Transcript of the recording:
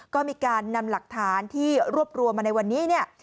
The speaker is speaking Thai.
ก็มีการนำหลักฐานที่รวบรวมมาในวันนี้เนี่ย